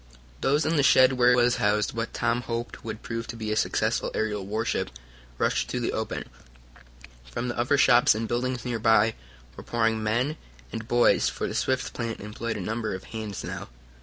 Those in the shed where was housed what Tom hoped would prove to be a successful aerial warship rushed to the open. From the other shops and buildings nearby were pouring men and boys, for the Swift plant employed a number of hands now.